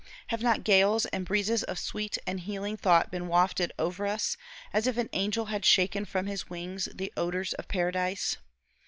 Have not gales and breezes of sweet and healing thought been wafted over us, as if an angel had shaken from his wings the odors of paradise?